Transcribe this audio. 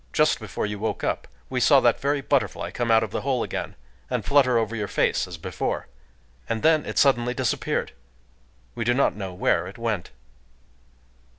Just before you woke up, we saw that very butterfly come out of the hole again, and flutter over your face as before. And then it suddenly disappeared: we do not know where it went."